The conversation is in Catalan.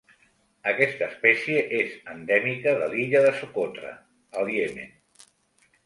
Aquesta espècie és endèmica de l'illa de Socotra, al Iemen.